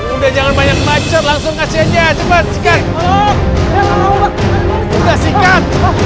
udah jangan banyak ngancur langsung kasih aja